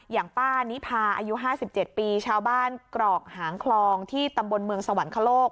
อย่างป้านิพาอายุ๕๗ปีชาวบ้านกรอกหางคลองที่ตำบลเมืองสวรรคโลก